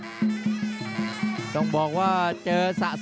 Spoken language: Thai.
เสริมหักทิ้งลงไปครับรอบเย็นมากครับ